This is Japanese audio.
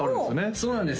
そうなんです